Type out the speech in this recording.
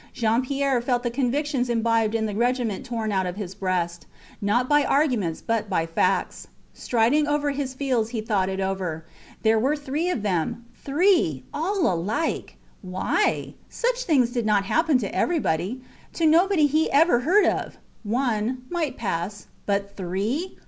Jean Pierre felt the convictions imbibed in the regiment torn out of his breast not by arguments but by facts. Striding over his fields he thought it over. There were three of them. Three! All alike! Why? Such things did not happen to everybody to nobody he ever heard of. One might pass. But three!